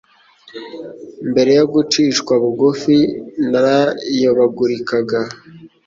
Mbere yo gucishwa bugufi narayobagurikaga